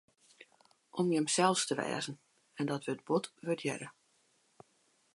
Om jinssels te wêzen, en dat wurdt bot wurdearre.